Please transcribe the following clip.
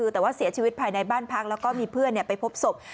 แต่ว่าเสียชีวิตภายในบ้านพักแล้วก็มีเพื่อนไปพบศพ